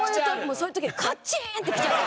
そういう時カッチーンってきちゃって。